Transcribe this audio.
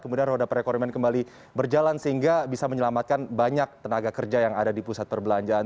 kemudian roda perekonomian kembali berjalan sehingga bisa menyelamatkan banyak tenaga kerja yang ada di pusat perbelanjaan